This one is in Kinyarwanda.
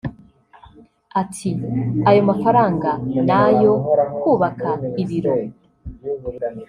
Ati “Ayo mafaranga ni ayo kubaka ibiro